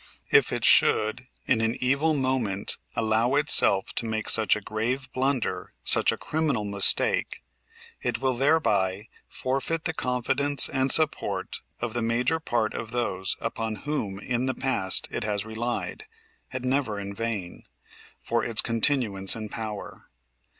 If it should in an evil moment allow itself to make such a grave blunder, such a criminal mistake, it will thereby forfeit the confidence and support of the major part of those upon whom in the past it has relied, and never in vain, for its continuance in power.